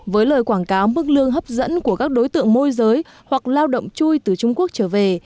với lời quảng cáo mức lương hấp dẫn của các đối tượng môi giới hoặc lao động chui từ trung quốc trở về